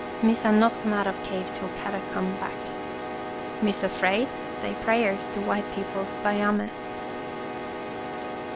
Missa not come out of cave till Kadok come back. Missa 'fraid, say prayers to white peo ple's Baiame."